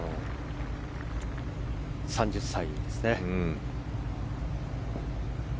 ３０歳ですね。